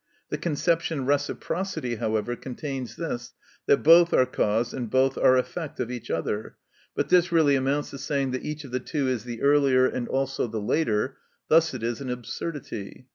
The conception reciprocity, however, contains this, that both are cause and both are effect of each other; but this really amounts to saying that each of the two is the earlier and also the later; thus it is an absurdity.